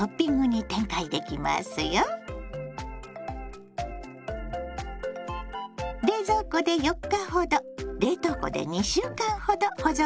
冷蔵庫で４日ほど冷凍庫で２週間ほど保存できますよ。